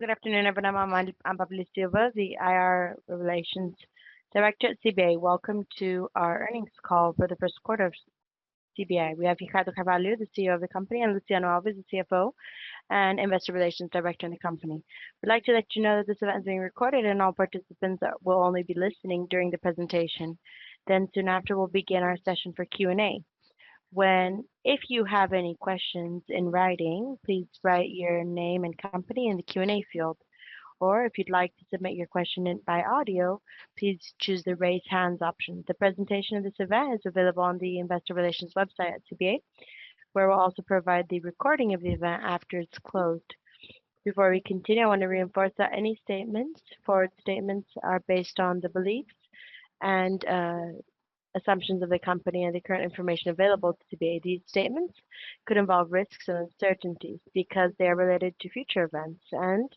Good afternoon, everyone. I'm Amabile Silva, the IR Relations Director at CBA. Welcome to our earnings call for the first quarter of CBA. We have Ricardo Carvalho, the CEO of the company, and Luciano Alves, the CFO and Investor Relations Director in the company. We'd like to let you know that this event is being recorded, and all participants will only be listening during the presentation. Soon after, we'll begin our session for Q&A. If you have any questions in writing, please write your name and company in the Q&A field. Or if you'd like to submit your question by audio, please choose the Raise Hands option. The presentation of this event is available on the investor relations website at CBA, where we'll also provide the recording of the event after it's closed. Before we continue, I want to reinforce that any forward-looking statements are based on the beliefs and assumptions of the company and the current information available to CBA. These statements could involve risks and uncertainties because they are related to future events and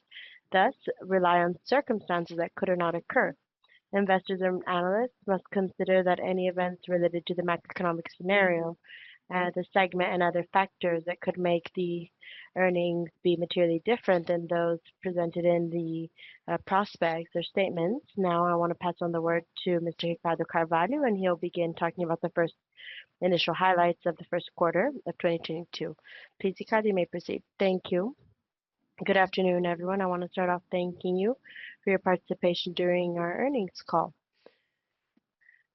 thus rely on circumstances that may or may not occur. Investors and analysts must consider that any events related to the macroeconomic scenario, the segment and other factors that could make the earnings be materially different than those presented in the prospectus or statements. Now, I want to pass on the word to Mr. Ricardo Carvalho, and he'll begin talking about the initial highlights of the first quarter of 2022. Please, Ricardo, you may proceed. Thank you. Good afternoon, everyone. I want to start off thanking you for your participation during our earnings call.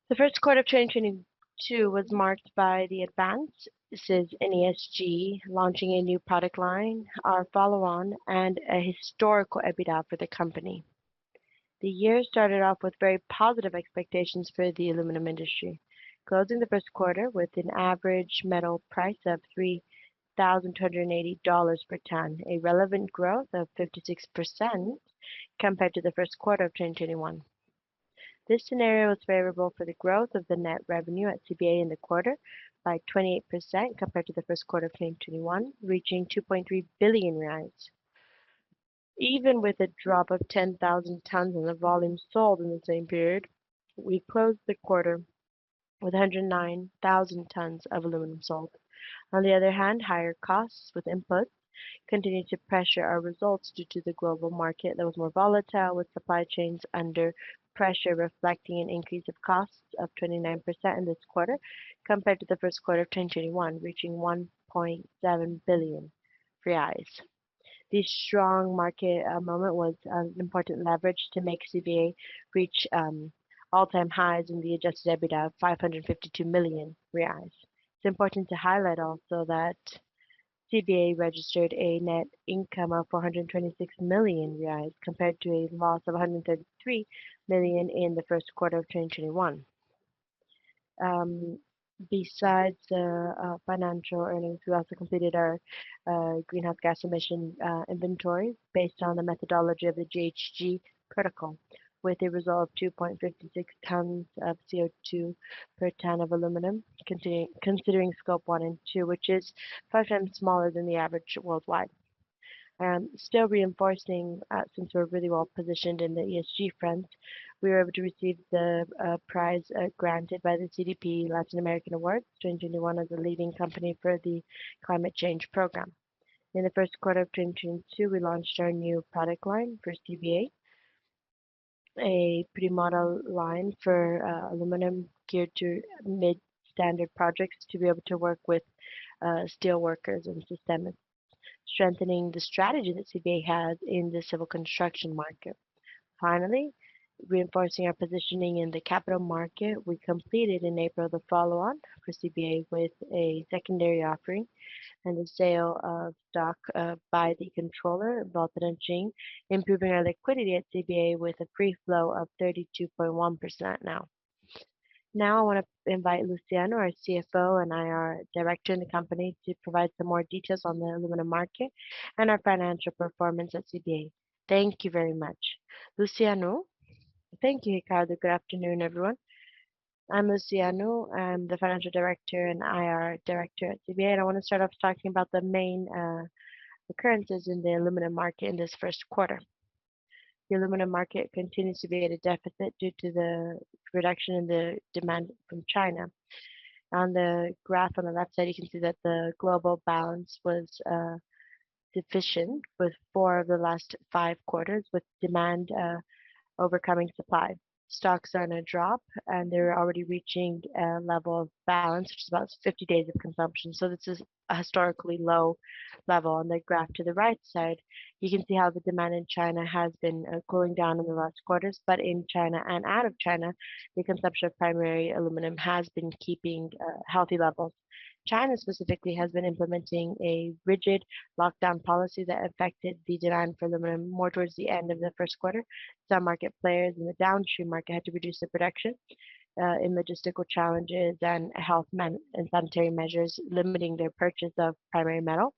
The first quarter of 2022 was marked by the advances in ESG, launching a new product line, our follow-on, and a historical EBITDA for the company. The year started off with very positive expectations for the aluminum industry, closing the first quarter with an average metal price of $3,280 per ton, a relevant growth of 56% compared to the first quarter of 2021. This scenario was favorable for the growth of the net revenue at CBA in the quarter by 28% compared to the first quarter of 2021, reaching 2.3 billion reais. Even with a drop of 10,000 tons in the volume sold in the same period, we closed the quarter with 109,000 tons of aluminum sold. On the other hand, higher costs with inputs continued to pressure our results due to the global market that was more volatile, with supply chains under pressure reflecting an increase of costs of 29% in this quarter compared to the first quarter of 2021, reaching 1.7 billion. This strong market moment was an important leverage to make CBA reach all-time highs in the adjusted EBITDA of 552 million reais. It's important to highlight also that CBA registered a net income of 426 million compared to a loss of 133 million in the first quarter of 2021. Besides the financial earnings, we also completed our greenhouse gas emission inventory based on the methodology of the GHG Protocol, with a result of 2.56 tons of CO2 per ton of aluminum, considering scope one and two, which is five times smaller than the average worldwide. Still reinforcing, since we're really well-positioned in the ESG front, we were able to receive the prize granted by the CDP Latin America Awards, 2021 as a leading company for the climate change program. In the first quarter of 2022, we launched our new product line for CBA, a pre-moldado line for aluminum geared to mid-standard projects to be able to work with steel workers and strengthening the strategy that CBA has in the civil construction market. Finally, reinforcing our positioning in the capital market, we completed in April the follow-on for CBA with a secondary offering and the sale of stock by the controller, Votorantim, improving our liquidity at CBA with a free float of 32.1% now. Now, I want to invite Luciano, our CFO and IR Director in the company, to provide some more details on the aluminum market and our financial performance at CBA. Thank you very much. Luciano. Thank you, Ricardo. Good afternoon, everyone. I'm Luciano. I'm the Financial Director and IR Director at CBA. I want to start off talking about the main occurrences in the aluminum market in this first quarter. The aluminum market continues to be at a deficit due to the reduction in the demand from China. On the graph on the left side, you can see that the global balance was deficient with four of the last five quarters, with demand overcoming supply. Stocks are in a drop, and they're already reaching a level of balance, which is about 50 days of consumption. This is a historically low level. On the graph to the right side, you can see how the demand in China has been cooling down in the last quarters. In China and out of China, the consumption of primary aluminum has been keeping healthy levels. China specifically has been implementing a rigid lockdown policy that affected the demand for aluminum more towards the end of the first quarter. Some market players in the downstream market had to reduce their production in logistical challenges and health and sanitary measures, limiting their purchase of primary metal.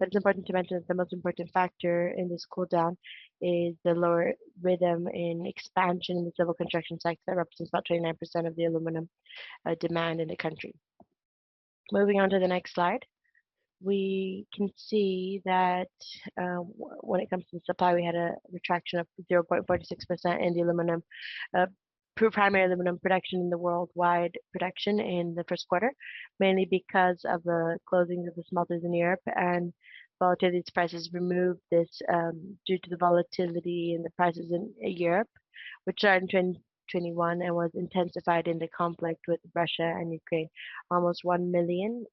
It's important to mention that the most important factor in this cool down is the lower rhythm in expansion in the civil construction sector. It represents about 29% of the aluminum demand in the country. Moving on to the next slide. We can see that, when it comes to supply, we had a retraction of 0.46% in the primary aluminum production worldwide in the first quarter, mainly because of the closing of the smelters in Europe and volatile prices due to the volatility in the prices in Europe, which started in 2021 and was intensified in the conflict with Russia and Ukraine. Almost 1 million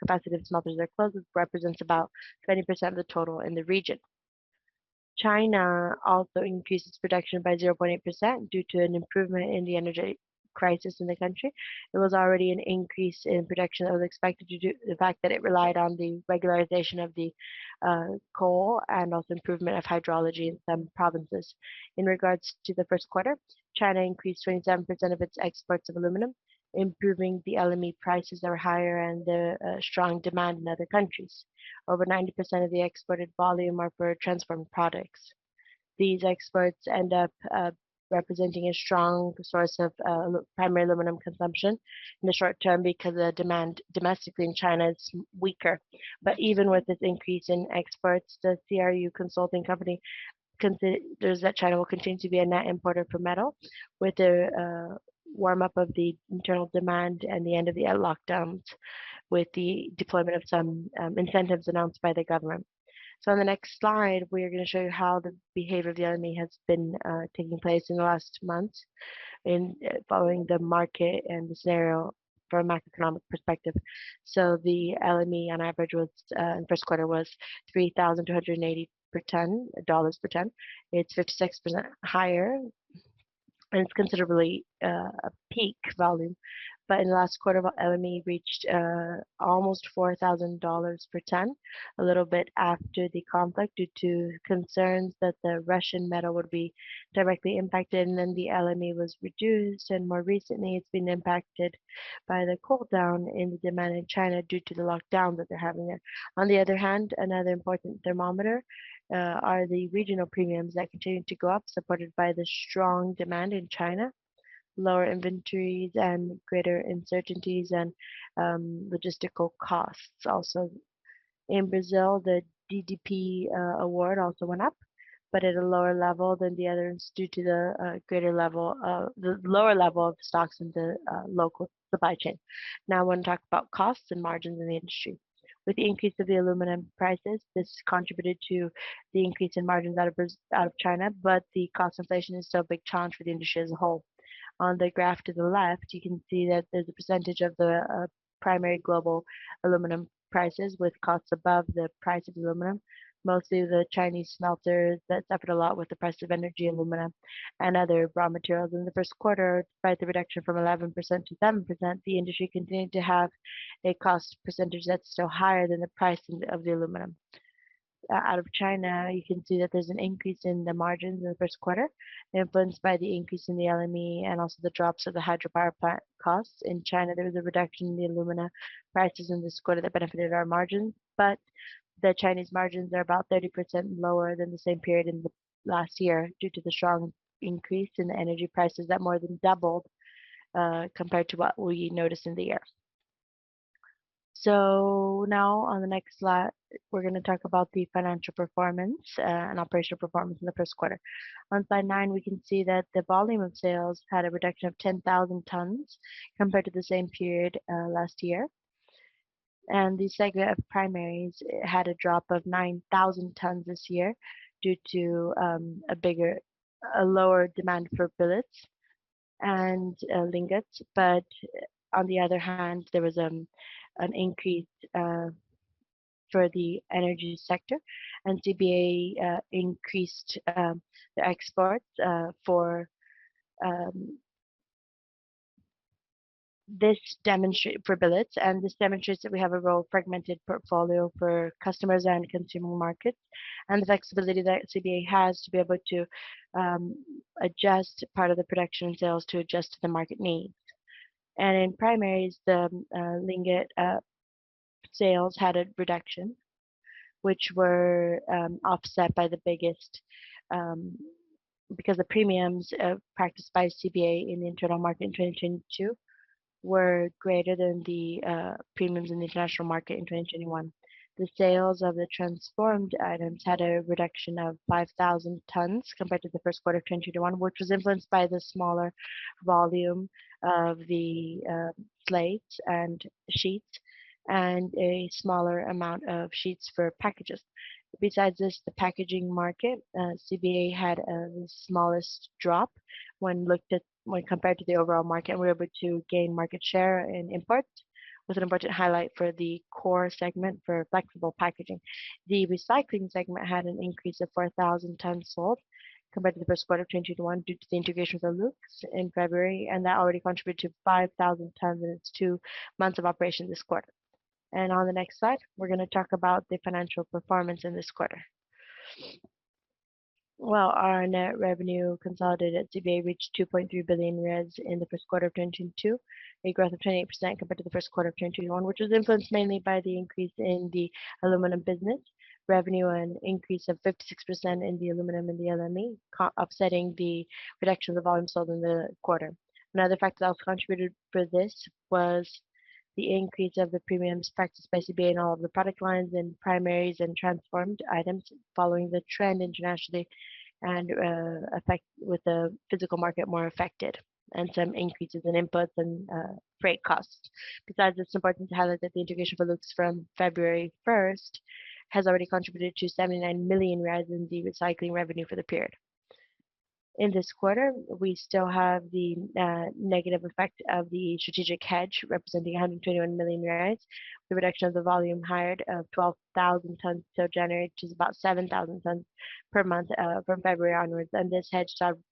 capacity smelters are closed, which represents about 20% of the total in the region. China also increases production by 0.8% due to an improvement in the energy crisis in the country. It was already an increase in production that was expected due to the fact that it relied on the regularization of the coal and also improvement of hydrology in some provinces. In regards to the first quarter, China increased 27% of its exports of aluminum, improving the LME prices that were higher and the strong demand in other countries. Over 90% of the exported volume are for transformed products. These exports end up representing a strong source of primary aluminum consumption in the short term because the demand domestically in China is weaker. Even with this increase in exports, the CRU consulting company says that China will continue to be a net importer of metal with the warm-up of the internal demand and the end of the lockdowns with the deployment of some incentives announced by the government. On the next slide, we are going to show you how the behavior of the LME has been taking place in the last months and following the market and the scenario from a macroeconomic perspective. The LME on average was in first quarter $3,280 per ton. It's 56% higher, and it's considerably a peak volume. In the last quarter, LME reached almost $4,000 per ton, a little bit after the conflict due to concerns that the Russian metal would be directly impacted, and then the LME was reduced. More recently, it's been impacted by the cool down in the demand in China due to the lockdown that they're having there. On the other hand, another important thermometer are the regional premiums that continue to go up, supported by the strong demand in China, lower inventories and greater uncertainties and logistical costs also. In Brazil, the DDP award also went up, but at a lower level than the others due to the lower level of stocks in the local supply chain. Now, I want to talk about costs and margins in the industry. With the increase of the aluminum prices, this contributed to the increase in margins out of China, but the cost inflation is still a big challenge for the industry as a whole. On the graph to the left, you can see that there's a percentage of the primary global aluminum prices with costs above the price of aluminum. Mostly the Chinese smelters that suffered a lot with the price of energy, aluminum, and other raw materials. In the first quarter, despite the reduction from 11% to 10%, the industry continued to have a cost percentage that's still higher than the price of the aluminum. Out of China, you can see that there's an increase in the margins in the first quarter, influenced by the increase in the LME and also the drops of the hydropower costs. In China, there was a reduction in the alumina prices in this quarter that benefited our margins, but the Chinese margins are about 30% lower than the same period in the last year due to the strong increase in the energy prices that more than doubled compared to what we noticed in the year. Now on the next slide, we're going to talk about the financial performance and operational performance in the first quarter. On slide nine, we can see that the volume of sales had a reduction of 10,000 tons compared to the same period last year. The segment of primaries had a drop of 9,000 tons this year due to a lower demand for billets and ingots. On the other hand, there was an increase for the energy sector, and CBA increased the exports for billets. This demonstrates that we have a well fragmented portfolio for customers and consumer markets, and the flexibility that CBA has to be able to adjust part of the production and sales to adjust to the market needs. In primaries, the ingot sales had a reduction, which were offset by the biggest because the premiums practiced by CBA in the internal market in 2022 were greater than the premiums in the international market in 2021. The sales of the transformed items had a reduction of 5,000 tons compared to the first quarter of 2021, which was influenced by the smaller volume of the plates and sheets and a smaller amount of sheets for packages. Besides this, the packaging market CBA had the smallest drop when compared to the overall market, and we were able to gain market share in imports. It was an important highlight for the core segment for flexible packaging. The recycling segment had an increase of 4,000 tons sold compared to the first quarter of 2021 due to the integration with Alux in February, and that already contributed to 5,000 tons in its two months of operation this quarter. On the next slide, we're going to talk about the financial performance in this quarter. Well, our net revenue consolidated at CBA reached BRL 2.3 billion in the first quarter of 2022, a growth of 28% compared to the first quarter of 2021, which was influenced mainly by the increase in the aluminum business revenue, an increase of 56% in the aluminum and the LME, offsetting the reduction of the volume sold in the quarter. Another factor that also contributed for this was the increase of the premiums practiced by CBA in all of the product lines and primaries and transformed items following the trend internationally and affected, with the physical market more affected, and some increases in inputs and freight costs. Besides, it's important to highlight that the integration for Alux from February first has already contributed to 79 million in the recycling revenue for the period. In this quarter, we still have the negative effect of the strategic hedge, representing BRL 121 million. The reduction of the volume hedged of 12,000 tons till January, which is about 7,000 tons per month, from February onwards. This hedge started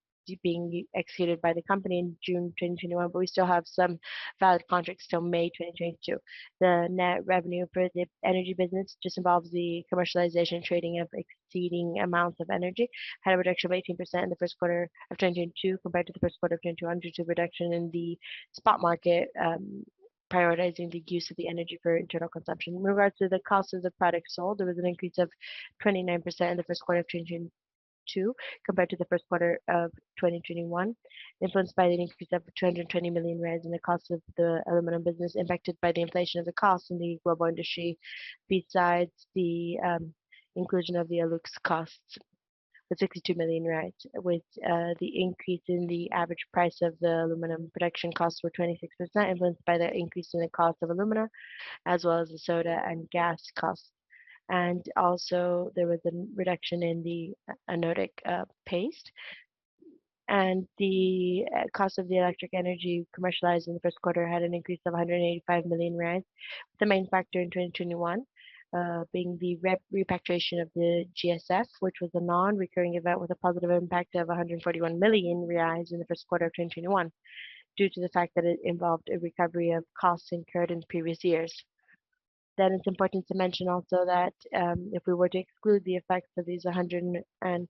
being executed by the company in June 2021, but we still have some valid contracts till May 2022. The net revenue for the energy business just involves the commercialization and trading of excess amounts of energy had a reduction of 18% in the first quarter of 2022 compared to the first quarter of 2021, due to reduction in the spot market, prioritizing the use of the energy for internal consumption. In regards to the cost of the product sold, there was an increase of 29% in the first quarter of 2022 compared to the first quarter of 2021, influenced by an increase of BRL 220 million in the cost of the aluminum business impacted by the inflation of the cost in the global industry. Besides the inclusion of the Alux costs of 62 million with the increase in the average price of the aluminum production costs were 26% influenced by the increase in the cost of alumina, as well as the soda and gas costs. There was also a reduction in the anode paste. The cost of the electric energy commercialized in the first quarter had an increase of BRL 185 million. The main factor in 2021 being the repatriation of the GSF, which was a non-recurring event with a positive impact of 141 million reais in the first quarter of 2021, due to the fact that it involved a recovery of costs incurred in previous years. It's important to mention also that if we were to exclude the effect of these a hundred and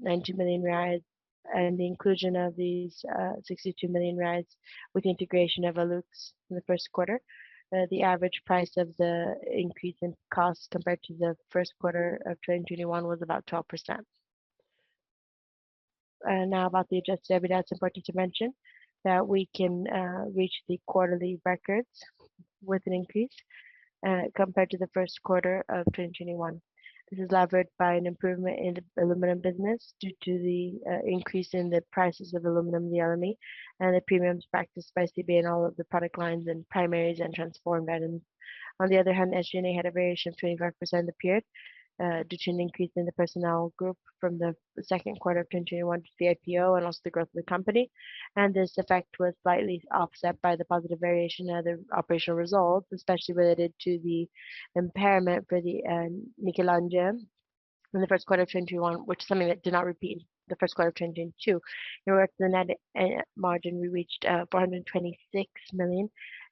ninety million reais and the inclusion of these sixty-two million reais with the integration of Alux in the first quarter, the average price of the increase in cost compared to the first quarter of 2021 was about 12%. Now about the adjusted EBITDA, it's important to mention that we can reach the quarterly records with an increase compared to the first quarter of 2021. This is leveraged by an improvement in the aluminum business due to the increase in the prices of aluminum in the LME and the premiums practiced by CBA in all of the product lines and primaries and transformed metals. On the other hand, SG&A had a variation of 25% in the period due to an increase in the personnel group from the second quarter of 2021 to the IPO and also the growth of the company. This effect was slightly offset by the positive variation of the operational results, especially related to the impairment for the Michelangelo in the first quarter of 2021, which is something that did not repeat in the first quarter of 2022. In regards to the net margin, we reached 426 million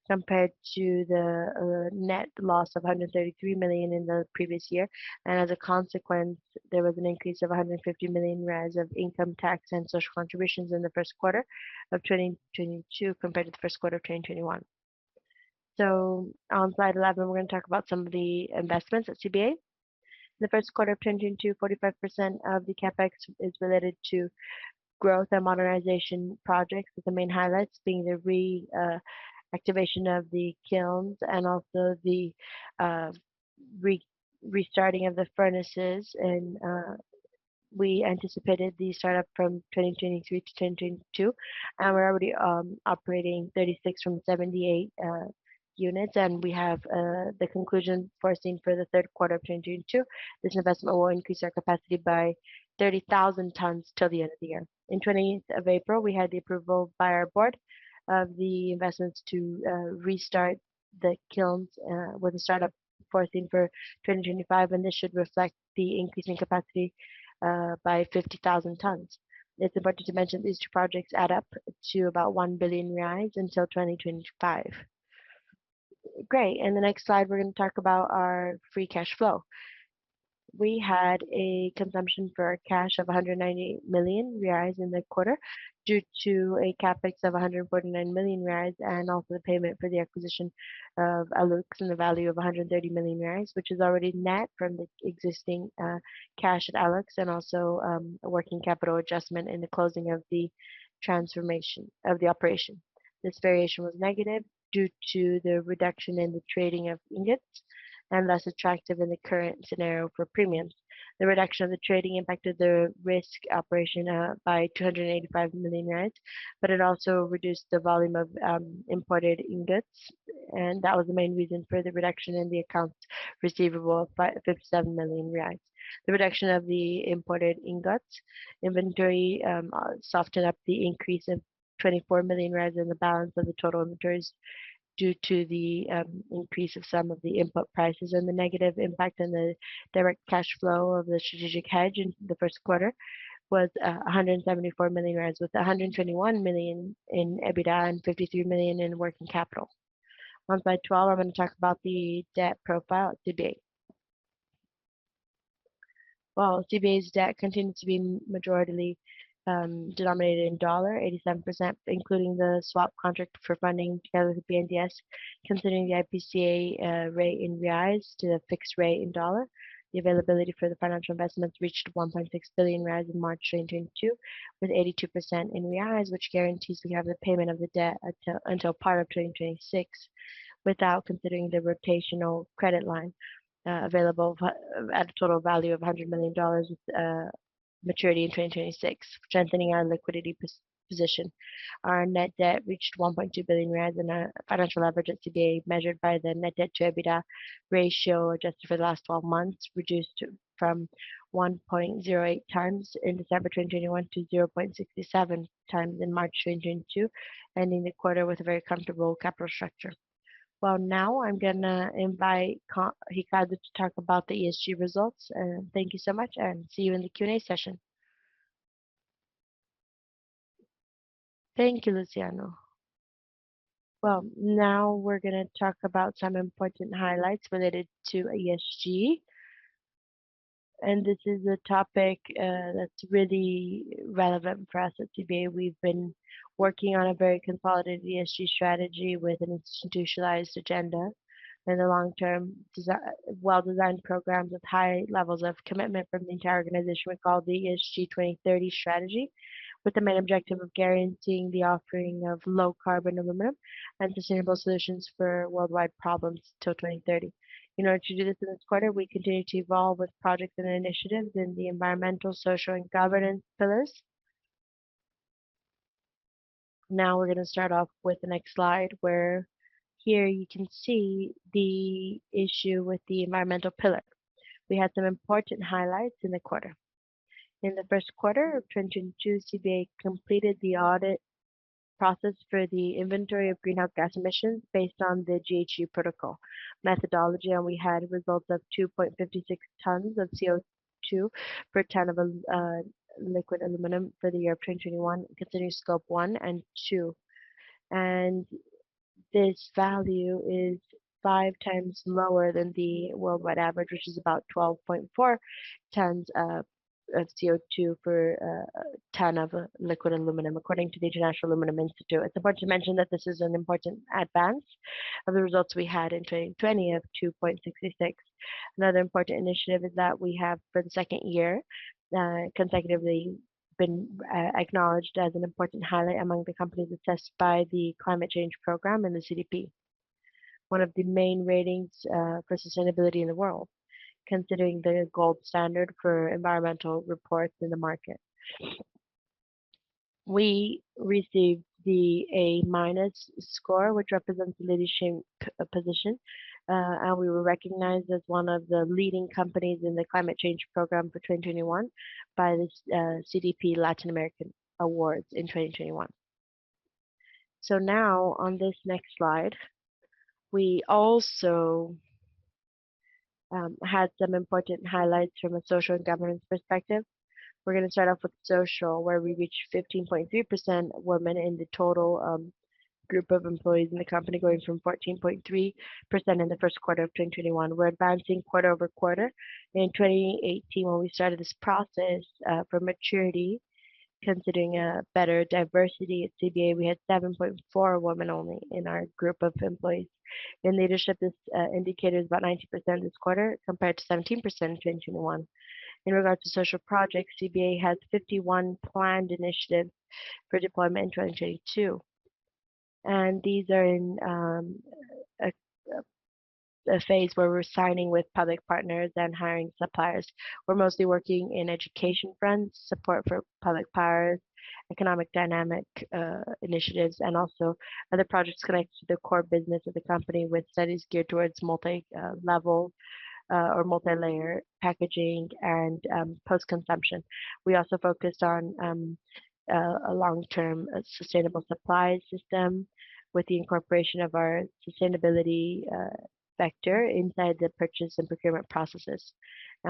compared to the net loss of 133 million in the previous year. As a consequence, there was an increase of 150 million reais of income tax and social contributions in the first quarter of 2022 compared to the first quarter of 2021. On slide 11, we're going to talk about some of the investments at CBA. In the first quarter of 2022, 45% of the CapEx is related to growth and modernization projects, with the main highlights being the activation of the kilns and also the restarting of the furnaces. We anticipated the startup from 2023 to 2022, and we're already operating 36 from 78 units. We have the conclusion foreseen for the third quarter of 2022. This investment will increase our capacity by 30,000 tons till the end of the year. On April 20, we had the approval by our board of the investments to restart the kilns, with the startup foreseen for 2025, and this should reflect the increase in capacity by 50,000 tons. It's important to mention these two projects add up to about 1 billion reais until 2025. Great. In the next slide, we're gonna talk about our free cash flow. We had a consumption for our cash of 198 million reais in the quarter due to a CapEx of 149 million reais and also the payment for the acquisition of Alux in the value of 130 million reais, which is already net from the existing cash at Alux, and also a working capital adjustment in the closing of the transformation of the operation. This variation was negative due to the reduction in the trading of ingots and less attractive in the current scenario for premiums. The reduction of the trading impacted the resale operation by 285 million, but it also reduced the volume of imported ingots, and that was the main reason for the reduction in the accounts receivable by 57 million reais. The reduction of the imported ingots inventory softened up the increase of 24 million in the balance of the total inventories due to the increase of some of the input prices. The negative impact on the direct cash flow of the strategic hedge in the first quarter was a BRL 174 million, with 121 million in EBITDA and 53 million in working capital. On slide 12, I'm gonna talk about the debt profile at CBA. Well, CBA's debt continued to be majority denominated in dollars, 87%, including the swap contract for funding together with BNDES, considering the IPCA rate in reais to the fixed rate in dollars. The availability for the financial investments reached BRL 1.6 billion in March 2022, with 82% in reais, which guarantees we have the payment of the debt until part of 2026, without considering the rotational credit line, available at a total value of $100 million with maturity in 2026, strengthening our liquidity position. Our net debt reached BRL 1.2 billion, and our financial leverage at CBA, measured by the net debt to EBITDA ratio adjusted for the last twelve months, reduced from 1.08x in December 2021 to 0.67x in March 2022, ending the quarter with a very comfortable capital structure. Well, now I'm gonna invite Ricardo to talk about the ESG results. Thank you so much, and see you in the Q&A session. Thank you, Luciano. Well, now we're gonna talk about some important highlights related to ESG. This is a topic that's really relevant for us at CBA. We've been working on a very consolidated ESG strategy with an institutionalized agenda and a long-term, well-designed programs with high levels of commitment from the entire organization we call the ESG 2030 strategy, with the main objective of guaranteeing the offering of low carbon aluminum and sustainable solutions for worldwide problems till 2030. In order to do this in this quarter, we continue to evolve with projects and initiatives in the environmental, social, and governance pillars. Now we're gonna start off with the next slide, where here you can see the issue with the environmental pillar. We had some important highlights in the quarter. In the first quarter of 2022, CBA completed the audit process for the inventory of greenhouse gas emissions based on the GHG Protocol methodology, and we had results of 2.56 tons of CO2 per ton of liquid aluminum for the year of 2021, considering Scope 1 and 2. This value is five times lower than the worldwide average, which is about 12.4 tons of CO2 per ton of liquid aluminum according to the International Aluminium Institute. It's important to mention that this is an important advance of the results we had in 2020 of 2.66. Another important initiative is that we have for the second year consecutively been acknowledged as an important highlight among the companies assessed by the Climate Change Program and the CDP, one of the main ratings for sustainability in the world, considering the gold standard for environmental reports in the market. We received the A- score, which represents a leadership position, and we were recognized as one of the leading companies in the Climate Change Program for 2021 by the CDP Latin America Awards in 2021. Now on this next slide, we also had some important highlights from a social and governance perspective. We're gonna start off with social, where we reached 15.3% women in the total group of employees in the company, going from 14.3% in the first quarter of 2021. We're advancing quarter-over-quarter. In 2018, when we started this process for maturity, considering a better diversity at CBA, we had 7.4% women only in our group of employees, and leadership is indicated about 90% this quarter compared to 17% in 2021. In regards to social projects, CBA has 51 planned initiatives for deployment in 2022, and these are in a phase where we're signing with public partners and hiring suppliers. We're mostly working in education fronts, support for public power, economic dynamic initiatives, and also other projects connected to the core business of the company with studies geared towards multilayer packaging and post-consumption. We also focused on a long-term sustainable supply system with the incorporation of our sustainability factor inside the purchase and procurement processes.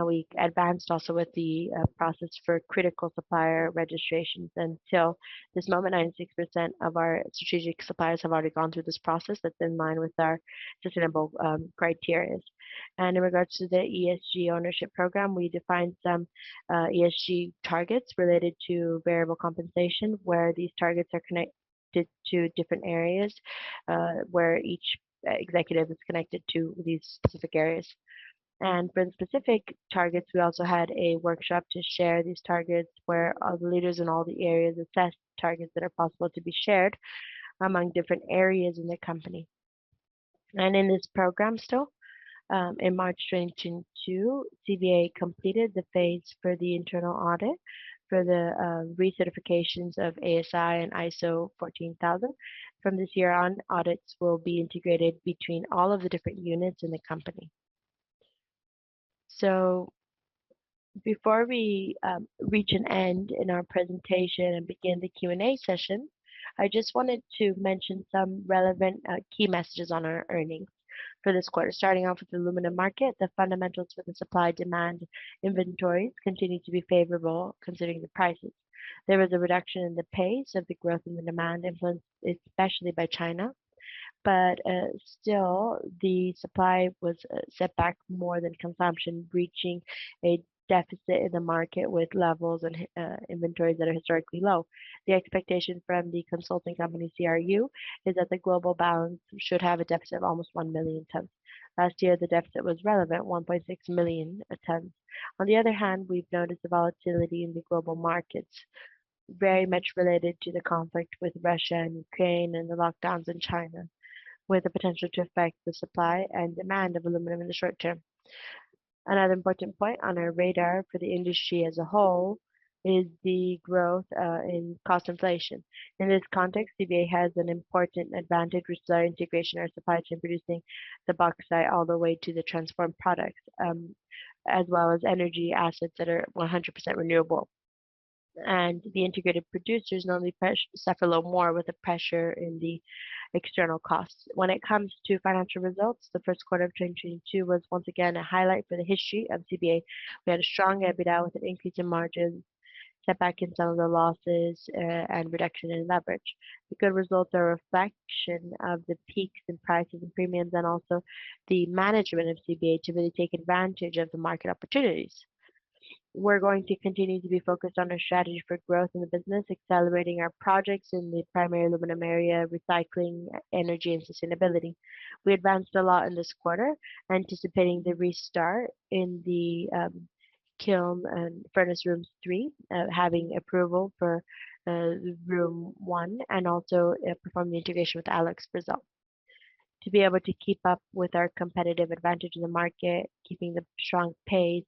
We advanced also with the process for critical supplier registrations. Until this moment, 96% of our strategic suppliers have already gone through this process that's in line with our sustainable criteria. In regards to the ESG ownership program, we defined some ESG targets related to variable compensation, where these targets are connected to different areas, where each executive is connected to these specific areas. For the specific targets, we also had a workshop to share these targets, where all the leaders in all the areas assessed targets that are possible to be shared among different areas in the company. In this program still, in March 2022, CBA completed the phase for the internal audit for the recertifications of ASI and ISO 14001. From this year on, audits will be integrated between all of the different units in the company. Before we reach an end in our presentation and begin the Q&A session, I just wanted to mention some relevant key messages on our earnings for this quarter. Starting off with the aluminum market, the fundamentals for the supply-demand inventories continue to be favorable considering the prices. There was a reduction in the pace of the growth in the demand influenced especially by China. Still the supply was set back more than consumption, reaching a deficit in the market with levels and inventories that are historically low. The expectation from the consulting company CRU is that the global balance should have a deficit of almost 1 million tons. Last year, the deficit was relevant, 1.6 million tons. On the other hand, we've noticed the volatility in the global markets very much related to the conflict with Russia and Ukraine and the lockdowns in China, with the potential to affect the supply and demand of aluminum in the short term. Another important point on our radar for the industry as a whole is the growth in cost inflation. In this context, CBA has an important advantage with our integration, our supply chain producing the bauxite all the way to the transformed products, as well as energy assets that are 100% renewable. The integrated producers normally suffer a little more with the pressure in the external costs. When it comes to financial results, the first quarter of 2022 was once again a highlight for the history of CBA. We had a strong EBITDA with an increase in margins, set back in some of the losses, and reduction in leverage. The good results are a reflection of the peaks in prices and premiums and also the management of CBA to really take advantage of the market opportunities. We're going to continue to be focused on our strategy for growth in the business, accelerating our projects in the primary aluminum area, recycling, energy and sustainability. We advanced a lot in this quarter, anticipating the restart in the kiln and furnace rooms three, having approval for room one, and also perform the integration with Alux do Brasil. To be able to keep up with our competitive advantage in the market, keeping the strong pace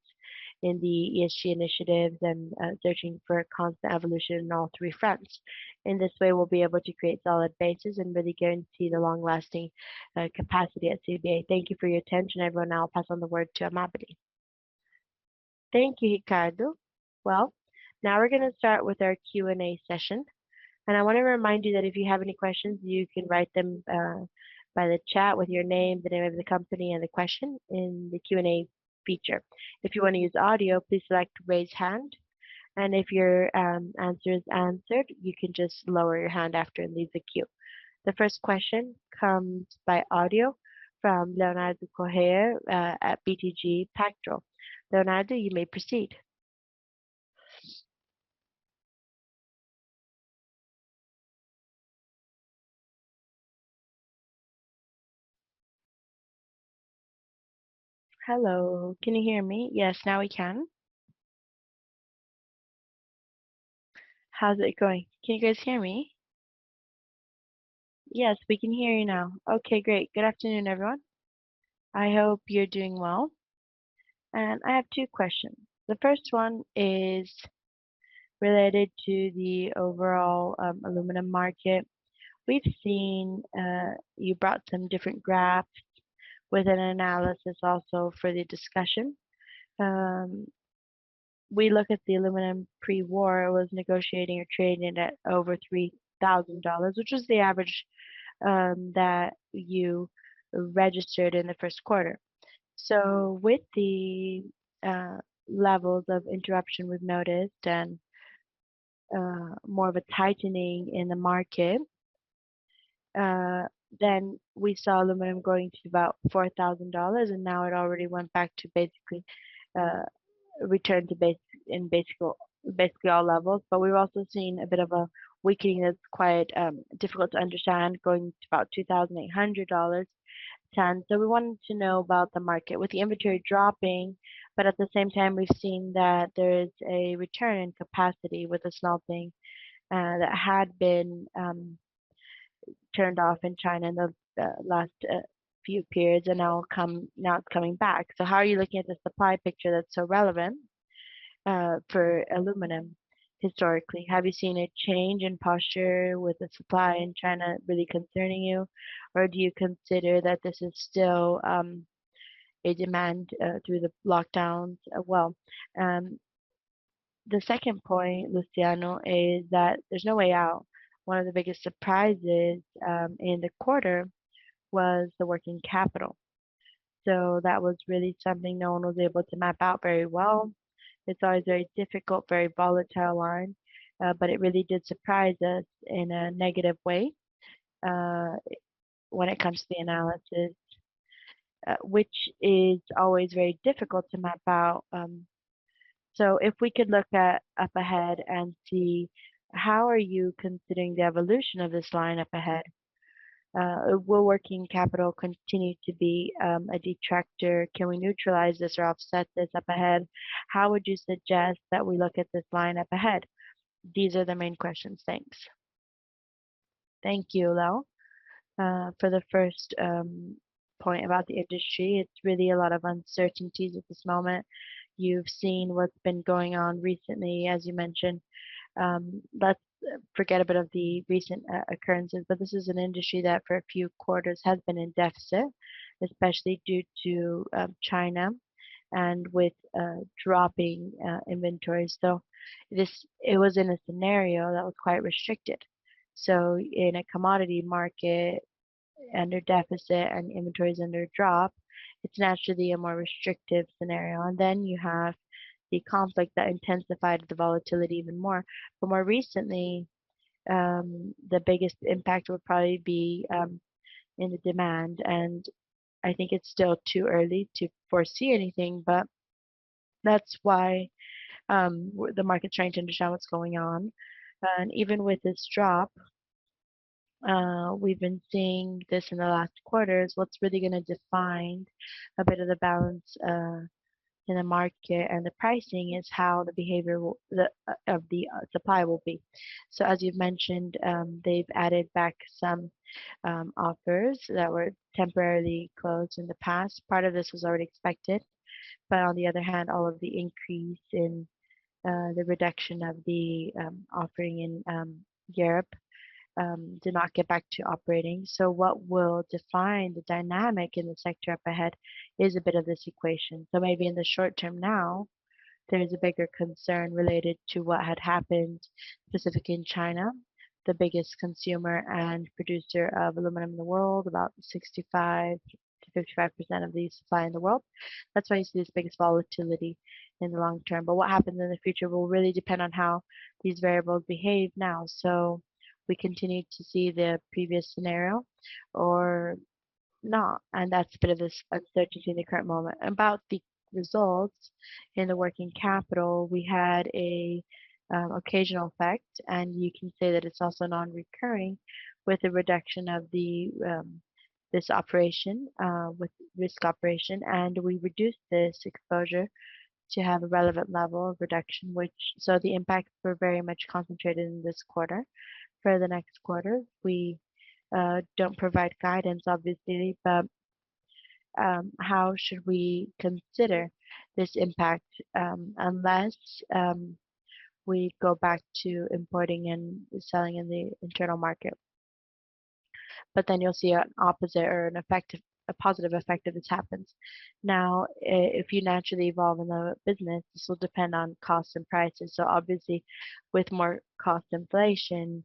in the ESG initiatives and searching for constant evolution in all three fronts. In this way, we'll be able to create solid bases and really guarantee the long-lasting capacity at CBA. Thank you for your attention, everyone. I'll pass on the word to Amabile Silva. Thank you, Ricardo. Well, now we're gonna start with our Q&A session, and I wanna remind you that if you have any questions, you can write them by the chat with your name, the name of the company, and the question in the Q&A feature. If you wanna use audio, please select Raise Hand, and if your answer is answered, you can just lower your hand after and leave the queue. The first question comes by audio from Leonardo Correa at BTG Pactual. Leonardo, you may proceed. Hello. Can you hear me? Yes, now we can. How's it going? Can you guys hear me? Yes, we can hear you now. Okay, great. Good afternoon, everyone. I hope you're doing well. I have two questions. The first one is related to the overall aluminum market. We've seen you brought some different graphs with an analysis also for the discussion. We look at the aluminum pre-war was negotiating or trading at over $3,000, which was the average that you registered in the first quarter. With the levels of interruption we've noticed and more of a tightening in the market, then we saw aluminum going to about $4,000, and now it already went back to basically returned to basically all levels. We're also seeing a bit of a weakening that's quite difficult to understand going to about $2,800/ton. We wanted to know about the market. With the inventory dropping, but at the same time, we've seen that there is a return in capacity with a smelting that had been turned off in China in the last few periods, and now it's coming back. How are you looking at the supply picture that's so relevant for aluminum historically? Have you seen a change in posture with the supply in China really concerning you, or do you consider that this is still a demand through the lockdowns? Well, the second point, Luciano, is that there's no way out. One of the biggest surprises in the quarter was the working capital. That was really something no one was able to map out very well. It's always a difficult, very volatile line, but it really did surprise us in a negative way, when it comes to the analysis, which is always very difficult to map out. If we could look ahead and see how are you considering the evolution of this line ahead? Will working capital continue to be a detractor? Can we neutralize this or offset this ahead? How would you suggest that we look at this line ahead? These are the main questions. Thanks. Thank you, Leo. For the first point about the industry, it's really a lot of uncertainties at this moment. You've seen what's been going on recently, as you mentioned. Let's forget a bit of the recent occurrence, but this is an industry that for a few quarters has been in deficit, especially due to China and with dropping inventory. It was in a scenario that was quite restricted. In a commodity market under deficit and inventories dropping, it's naturally a more restrictive scenario. Then you have the conflict that intensified the volatility even more. More recently, the biggest impact would probably be in the demand, and I think it's still too early to foresee anything. That's why the market's trying to understand what's going on. Even with this drop, we've been seeing this in the last quarters. What's really gonna define a bit of the balance in the market and the pricing is how the behavior of the supply will be. As you've mentioned, they've added back some offers that were temporarily closed in the past. Part of this was already expected. On the other hand, all of the reduction in the offering in Europe did not get back to operating. What will define the dynamic in the sector up ahead is a bit of this equation. Maybe in the short term now, there is a bigger concern related to what had happened specifically in China, the biggest consumer and producer of aluminum in the world, about 65%-55% of the supply in the world. That's why you see this biggest volatility in the long term. What happens in the future will really depend on how these variables behave now. We continue to see the previous scenario or not, and that's a bit of this uncertainty in the current moment. About the results in the working capital, we had a occasional effect, and you can say that it's also non-recurring with the reduction of this operation with risk operation. We reduced this exposure to have a relevant level of reduction. The impacts were very much concentrated in this quarter. For the next quarter, we don't provide guidance obviously, but how should we consider this impact, unless we go back to importing and selling in the internal market. Then you'll see an opposite or a positive effect if this happens. Now, if you naturally evolve in the business, this will depend on costs and prices. Obviously, with more cost inflation, you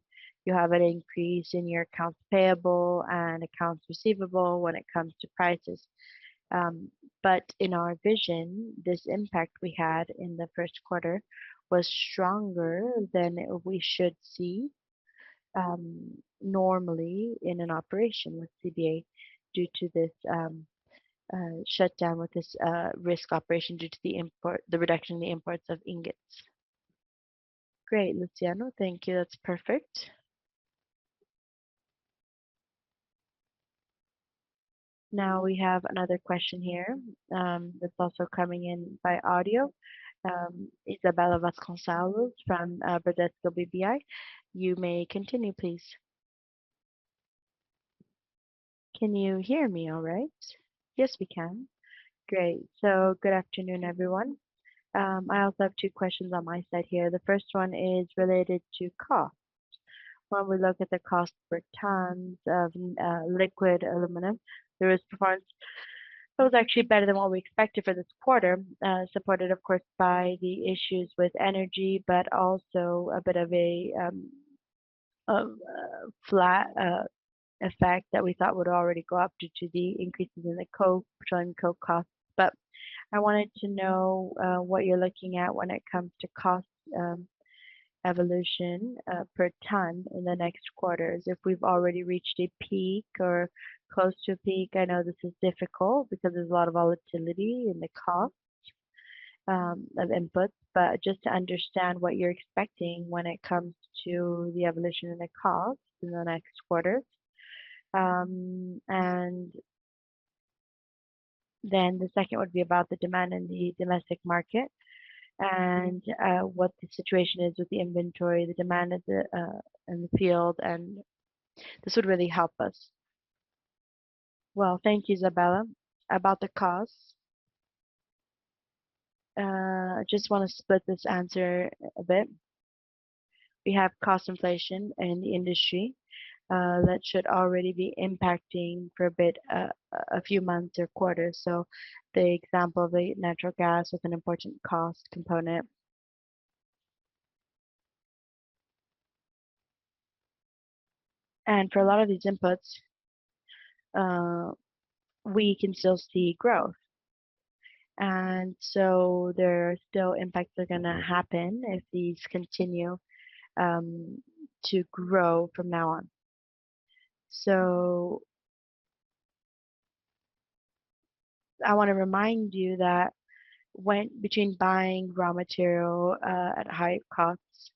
have an increase in your accounts payable and accounts receivable when it comes to prices. In our vision, this impact we had in the first quarter was stronger than we should see normally in an operation with CBA due to this shutdown with this resale operation due to the reduction in the imports of ingots. Great, Luciano. Thank you. That's perfect. Now we have another question here, that's also coming in by audio. Isabella Vasconcelos from Bradesco BBI. You may continue, please. Can you hear me all right? Yes, we can. Great. Good afternoon, everyone. I also have two questions on my side here. The first one is related to cost. When we look at the cost per ton of liquid aluminum, this performance, it was actually better than what we expected for this quarter, supported of course by the issues with energy, but also a bit of a lag effect that we thought would already go up due to the increases in the coke, petroleum coke costs. I wanted to know what you're looking at when it comes to cost evolution per ton in the next quarters. If we've already reached a peak or close to a peak. I know this is difficult because there's a lot of volatility in the cost of inputs, but just to understand what you're expecting when it comes to the evolution in the cost in the next quarter. And then the second would be about the demand in the domestic market and what the situation is with the inventory, the demand in the field, and this would really help us. Well, thank you, Isabella. About the costs, I just wanna split this answer a bit. We have cost inflation in the industry that should already be impacting for a bit, a few months or quarters. The example of the natural gas with an important cost component. For a lot of these inputs, we can still see growth. There are still impacts that are gonna happen if these continue to grow from now on. I wanna remind you that between buying raw material at high costs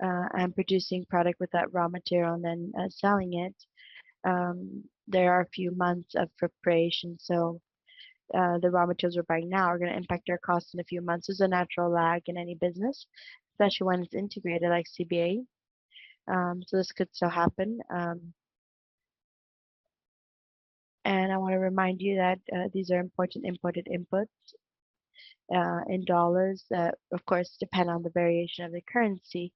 and producing product with that raw material and then selling it, there are a few months of preparation. The raw materials we're buying now are gonna impact our costs in a few months. There's a natural lag in any business, especially when it's integrated like CBA. This could still happen. I wanna remind you that these are important imported inputs in dollars that of course depend on the variation of the currency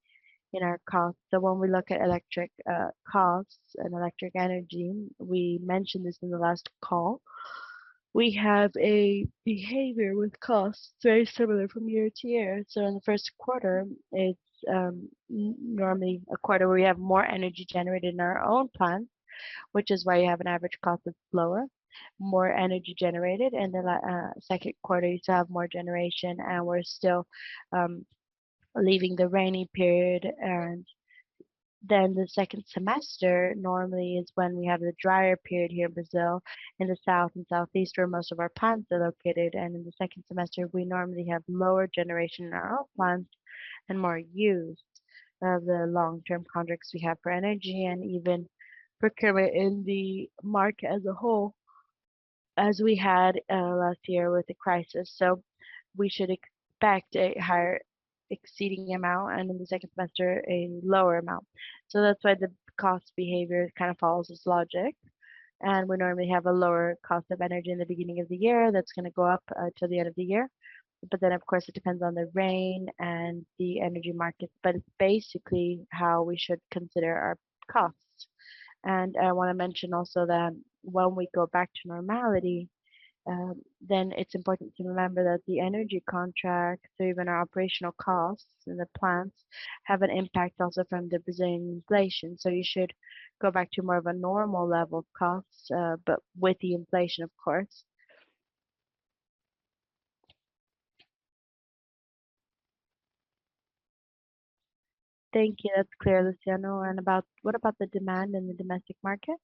in our costs. When we look at electricity costs and electricity, we mentioned this in the last call, we have a behavior with costs very similar from year-to-year. In the first quarter, it's normally a quarter where we have more energy generated in our own plant, which is why you have an average cost that's lower, more energy generated. The second quarter, you still have more generation and we're still leaving the rainy period and then the second semester normally is when we have the drier period here in Brazil, in the south and southeast where most of our plants are located. In the second semester, we normally have lower generation in our own plants and more use of the long-term contracts we have for energy and even procurement in the market as a whole, as we had last year with the crisis. We should expect a higher exceeding amount, and in the second semester a lower amount. That's why the cost behavior kind of follows this logic. We normally have a lower cost of energy in the beginning of the year that's gonna go up till the end of the year. Then, of course, it depends on the rain and the energy market. It's basically how we should consider our costs. I wanna mention also that when we go back to normality, then it's important to remember that the energy contract through even our operational costs in the plants have an impact also from the Brazilian inflation. You should go back to more of a normal level of costs, but with the inflation, of course. Thank you. That's clear, Luciano. What about the demand in the domestic market?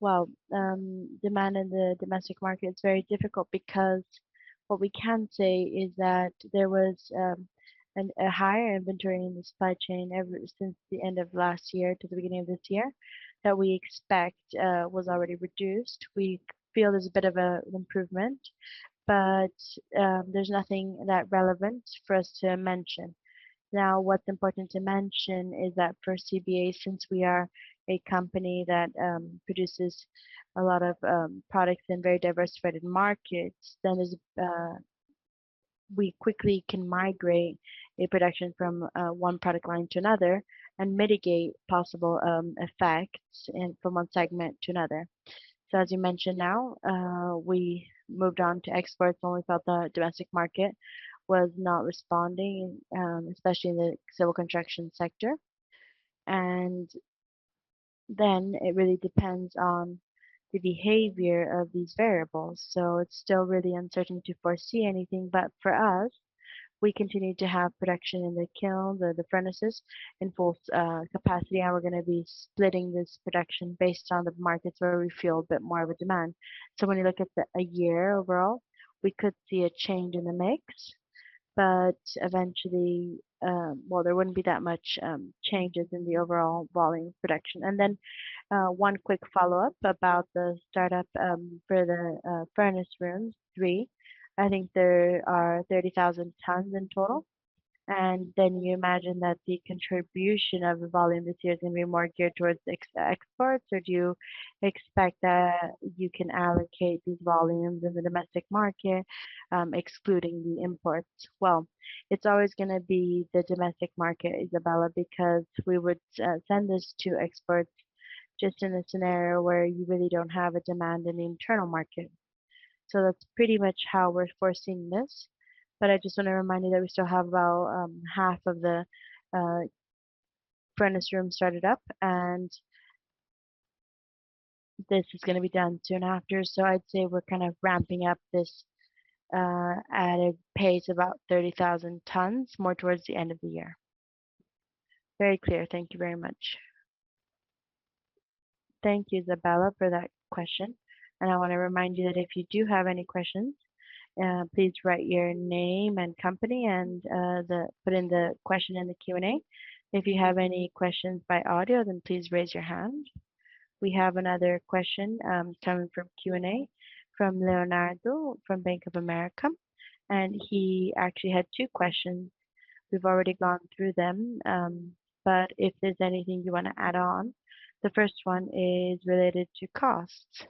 Well, demand in the domestic market is very difficult because what we can say is that there was a higher inventory in the supply chain ever since the end of last year to the beginning of this year that we expect was already reduced. We feel there's a bit of an improvement, but there's nothing that relevant for us to mention. Now, what's important to mention is that for CBA, since we are a company that produces a lot of products in very diversified markets, then we quickly can migrate a production from one product line to another and mitigate possible effects and from one segment to another. As you mentioned now, we moved on to exports when we felt the domestic market was not responding, especially in the civil construction sector. It really depends on the behavior of these variables, so it's still really uncertain to foresee anything. For us, we continue to have production in the kiln, furnaces in full capacity, and we're gonna be splitting this production based on the markets where we feel a bit more of a demand. When you look at the year overall, we could see a change in the mix, but eventually, well, there wouldn't be that much changes in the overall volume production. One quick follow-up about the startup for the furnace room three. I think there are 30,000 tons in total. You imagine that the contribution of the volume this year is gonna be more geared towards exports. Do you expect that you can allocate these volumes in the domestic market, excluding the imports? Well, it's always gonna be the domestic market, Isabella, because we would send this to exports just in a scenario where you really don't have a demand in the internal market. That's pretty much how we're foreseeing this. I just wanna remind you that we still have about half of the furnace room started up, and this is gonna be done soon after. I'd say we're kind of ramping up this at a pace about 30,000 tons more towards the end of the year. Very clear. Thank you very much. Thank you, Isabella, for that question. I wanna remind you that if you do have any questions, please write your name and company and the. Put in the question in the Q&A. If you have any questions by audio, then please raise your hand. We have another question, coming from Q&A from Leonardo from Bank of America, and he actually had two questions. We've already gone through them, but if there's anything you wanna add on. The first one is related to cost.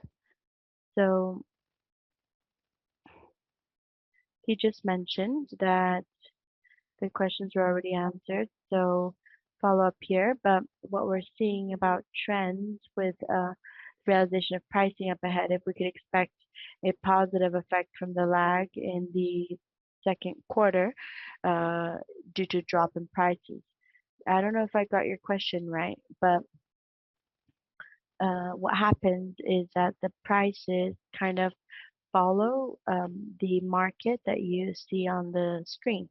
He just mentioned that the questions were already answered. Follow-up here, but what we're seeing about trends with realization of pricing up ahead, if we could expect a positive effect from the lag in the second quarter due to drop in prices. I don't know if I got your question right, but what happens is that the prices kind of follow the market that you see on the screen.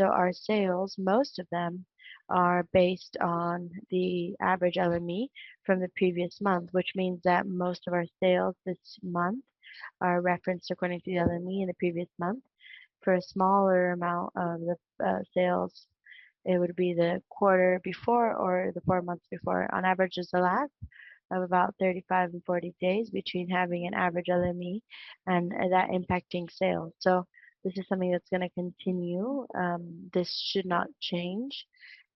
Our sales, most of them are based on the average LME from the previous month, which means that most of our sales this month are referenced according to the LME in the previous month. For a smaller amount of the sales, it would be the quarter before or the four months before. On average, it's a lag of about 35-40 days between having an average LME and that impacting sales. This is something that's gonna continue. This should not change.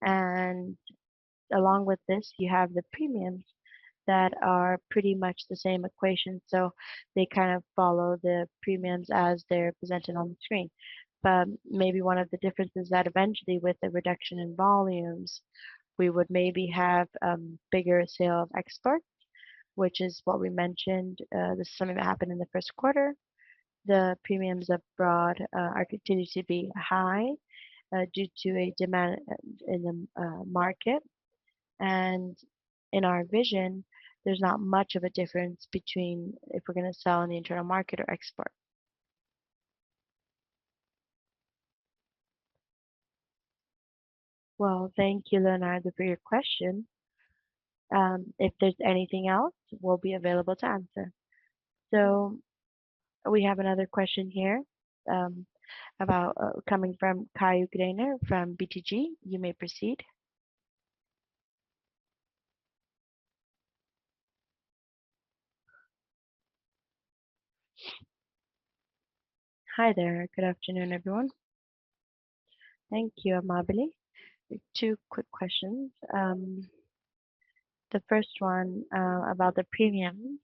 Along with this, you have the premiums that are pretty much the same equation. They kind of follow the premiums as they're presented on the screen. Maybe one of the differences that eventually with the reduction in volumes, we would maybe have bigger sale of export, which is what we mentioned. This is something that happened in the first quarter. The premiums abroad are continuing to be high due to a demand in the market. In our vision, there's not much of a difference between if we're gonna sell on the internal market or export. Well, thank you, Leonardo, for your question. If there's anything else, we'll be available to answer. We have another question here about coming from Caio Greiner from BTG. You may proceed. Hi there. Good afternoon, everyone. Thank you, Amabile. Two quick questions. The first one about the premiums.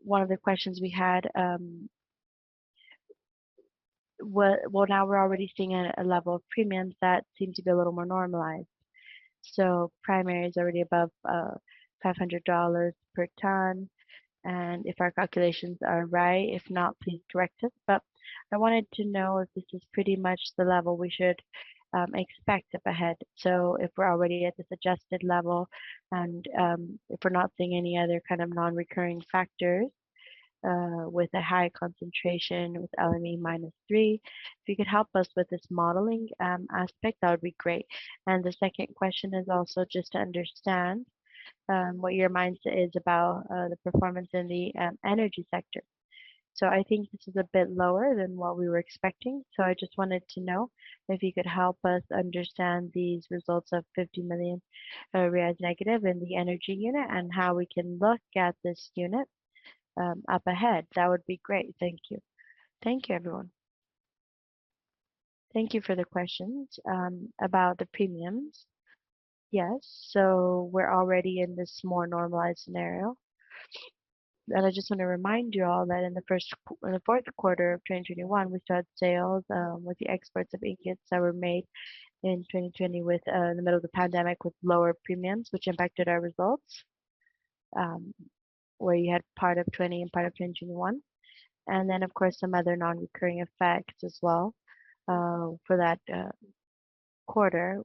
One of the questions we had, well, now we're already seeing a level of premiums that seem to be a little more normalized. Primary is already above $500 per ton. If our calculations are right, if not, please correct us. I wanted to know if this is pretty much the level we should expect up ahead. If we're already at this adjusted level and if we're not seeing any other kind of non-recurring factors with a high concentration with LME M-3. If you could help us with this modeling aspect, that would be great. The second question is also just to understand what your mindset is about the performance in the energy sector. I think this is a bit lower than what we were expecting. I just wanted to know if you could help us understand these results of 50 million negative in the energy unit and how we can look at this unit up ahead. That would be great. Thank you. Thank you, everyone. Thank you for the questions about the premiums. Yes. We're already in this more normalized scenario. I just wanna remind you all that in the fourth quarter of 2021, we've had sales with the exports of ingots that were made in 2020, in the middle of the pandemic with lower premiums, which impacted our results, where you had part of 2020 and part of 2021. Then, of course, some other non-recurring effects as well for that quarter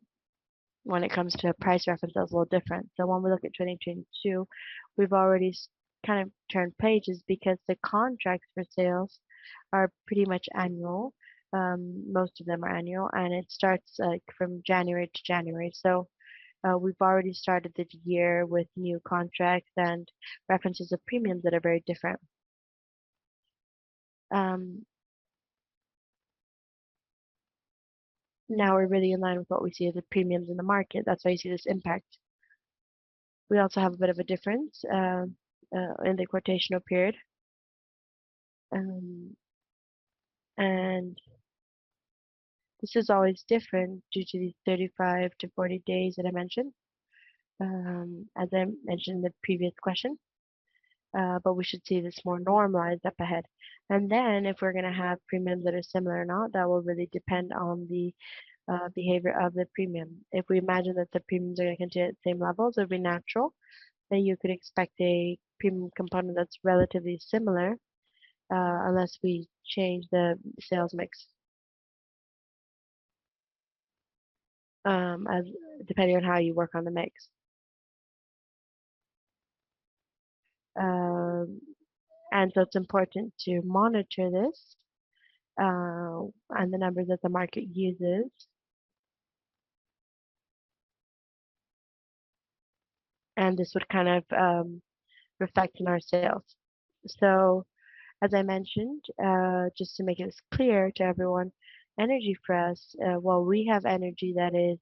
when it comes to a price reference that was a little different. When we look at 2022, we've already kind of turned pages because the contracts for sales are pretty much annual. Most of them are annual, and it starts, like, from January to January. We've already started the year with new contracts and references of premiums that are very different. Now we're really in line with what we see as the premiums in the market. That's why you see this impact. We also have a bit of a difference in the quotational period. This is always different due to the 35-40 days that I mentioned, as I mentioned in the previous question. We should see this more normalized up ahead. If we're gonna have premiums that are similar or not, that will really depend on the behavior of the premium. If we imagine that the premiums are gonna continue at the same levels, it would be natural, then you could expect a premium component that's relatively similar, unless we change the sales mix. As depending on how you work on the mix. It's important to monitor this, and the numbers that the market uses. This would kind of reflect in our sales. As I mentioned, just to make this clear to everyone, energy for us, while we have energy that is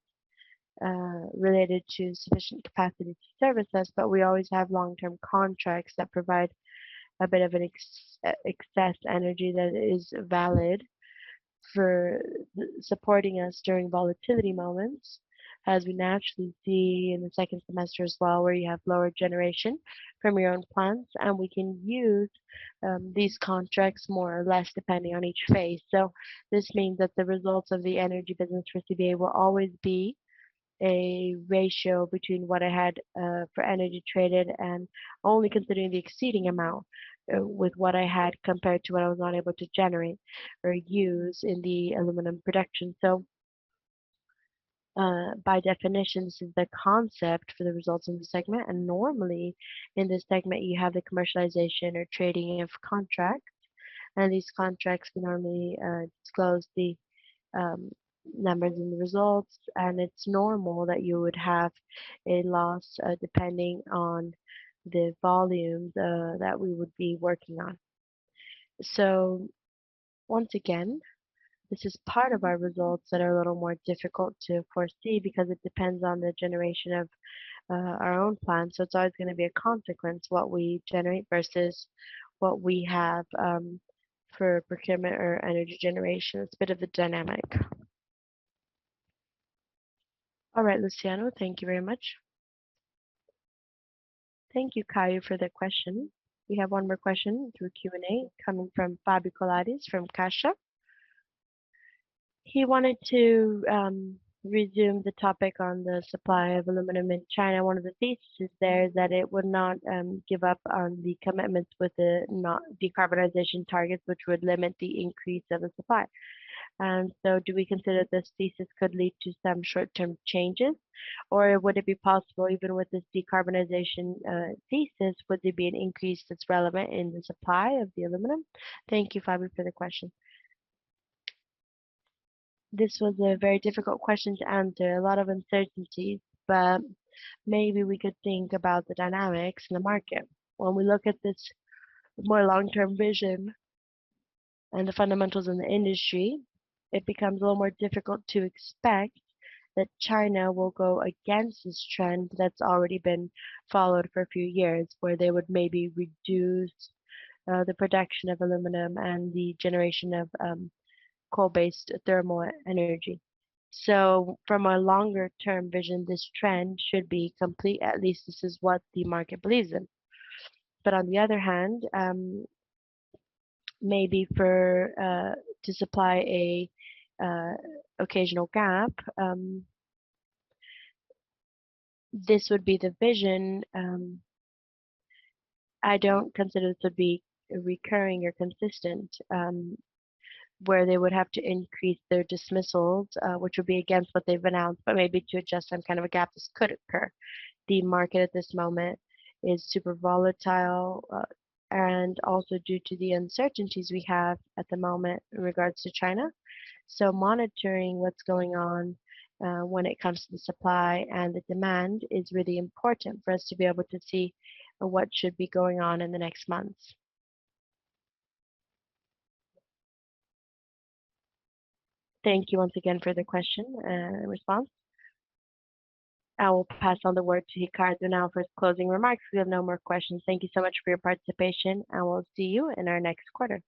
related to sufficient capacity to service us, but we always have long-term contracts that provide a bit of an excess energy that is valid for supporting us during volatility moments, as we naturally see in the second semester as well, where you have lower generation from your own plants, and we can use these contracts more or less depending on each phase. This means that the results of the energy business for CBA will always be a ratio between what I had, for energy traded and only considering the exceeding amount, with what I had compared to what I was not able to generate or use in the aluminum production. By definition, this is the concept for the results in the segment. Normally in this segment, you have the commercialization or trading of contract, and these contracts can normally disclose the numbers and the results, and it's normal that you would have a loss, depending on the volume that we would be working on. Once again, this is part of our results that are a little more difficult to foresee because it depends on the generation of our own plan. It's always gonna be a consequence what we generate versus what we have for procurement or energy generation. It's a bit of a dynamic. All right, Luciano, thank you very much. Thank you, Caio, for the question. We have one more question through Q&A coming from Fabio Colares from Caixa. He wanted to resume the topic on the supply of aluminum in China. One of the thesis there is that it would not give up on the commitments with the decarbonization targets, which would limit the increase of the supply. Do we consider this thesis could lead to some short-term changes, or would it be possible even with this decarbonization thesis, would there be an increase that's relevant in the supply of the aluminum? Thank you, Fabio, for the question. This was a very difficult question to answer. A lot of uncertainties, but maybe we could think about the dynamics in the market. When we look at this more long-term vision and the fundamentals in the industry, it becomes a little more difficult to expect that China will go against this trend that's already been followed for a few years, where they would maybe reduce the production of aluminum and the generation of coal-based thermal energy. From a longer term vision, this trend should be complete. At least this is what the market believes in. On the other hand, maybe for to supply a occasional gap, this would be the vision. I don't consider this to be recurring or consistent, where they would have to increase their emissions, which would be against what they've announced, but maybe to adjust some kind of a gap, this could occur. The market at this moment is super volatile, and also due to the uncertainties we have at the moment in regards to China. Monitoring what's going on, when it comes to the supply and the demand is really important for us to be able to see what should be going on in the next months. Thank you once again for the question and response. I will pass on the word to Ricardo now for his closing remarks. We have no more questions. Thank you so much for your participation, and we'll see you in our next quarter.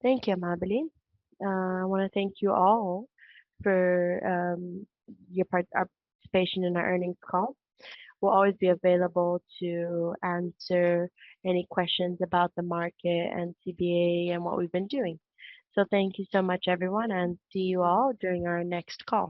Thank you, Amabile. I wanna thank you all for your participation in our earnings call. We'll always be available to answer any questions about the market and CBA and what we've been doing. Thank you so much, everyone, and see you all during our next call.